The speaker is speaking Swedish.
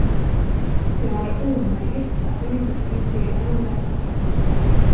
Det var då omöjligt att de inte skulle se honom där han stod.